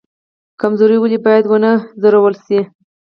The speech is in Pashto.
کمزوری ولې باید ونه ځورول شي؟